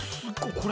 これ？